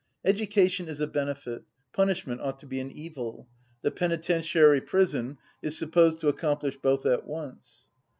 Education is a benefit, punishment ought to be an evil; the penitentiary prison is supposed to accomplish both at once.